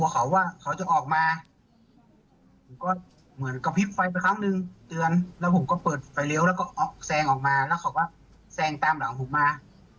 เขาจะออกมาก็ต้องเหมือนก็ผิดไฟมาครั้งนึงเตือนแล้วผมก็เปิดไฟเร็วแล้วก็แซงออกมานะก็มาแซงตามหลังผมมา